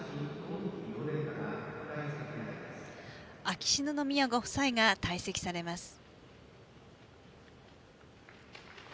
秋篠宮ご夫妻が退席されます。